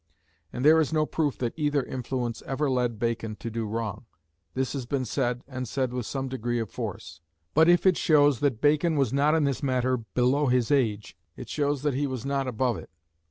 And there is no proof that either influence ever led Bacon to do wrong. This has been said, and said with some degree of force. But if it shows that Bacon was not in this matter below his age, it shows that he was not above it.